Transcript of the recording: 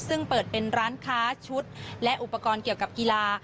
ซึ่งเปิดเป็นร้านค้าชุดและอุปกรณ์เกี่ยวกับกีฬา